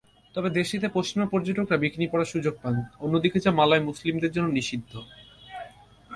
তবে দেশটিতে পশ্চিমা পর্যটকরা বিকিনি পরার সুযোগ পান, অন্যদিকে যা মালয় মুসলিমদের জন্য নিষিদ্ধ।